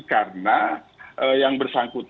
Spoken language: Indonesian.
karena yang bersangkut